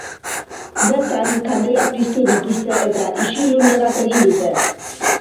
Bertan, kandelak piztu dituzte eta isilune bat egin dute.